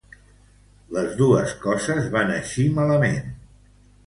Les dos coses van eixir malament.